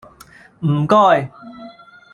唔該